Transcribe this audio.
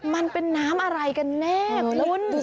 มันเป็นน้ำอะไรกันแน่คุณ